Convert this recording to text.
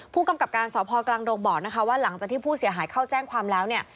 ผู้กำกับการสพกลางดงบอกนะคะว่าหลังจากที่ผู้เสียหายเข้าแจ้งความแล้วเนี่ย